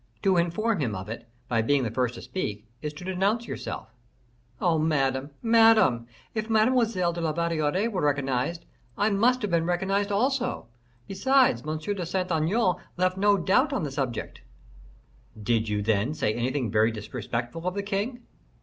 To inform him of it, by being the first to speak, is to denounce yourself." "Oh, Madame, Madame! if Mademoiselle de la Valliere were recognized, I must have been recognized also. Besides, M. de Saint Aignan left no doubt on the subject." "Did you, then, say anything very disrespectful of the king?"